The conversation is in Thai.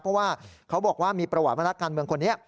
เพราะว่าเค้าบอกว่ามีประหว่างพนักการณ์เมืองคนนี้